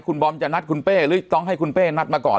คุณบอมจะนัดคุณเป้หรือต้องให้คุณเป้นัดมาก่อน